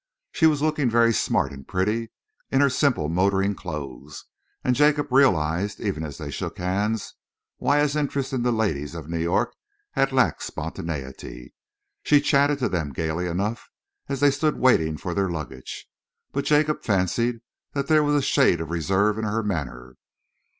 She was looking very smart and pretty in her simple motoring clothes, and Jacob realised, even as they shook hands, why his interest in the ladies of New York had lacked spontaneity. She chattered to them gaily enough as they stood waiting for their luggage, but Jacob fancied that there was a shade of reserve in her manner.